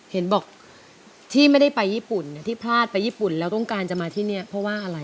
เห็นบอกที่ไม่ได้ไปญี่ปุ่นที่พลาดไปญี่ปุ่นแล้วต้องการจะมาที่นี่เพราะว่าอะไร